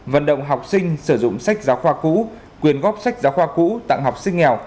vận động học sinh sử dụng sách giáo khoa cũ quyền góp sách giáo khoa cũ tặng học sinh nghèo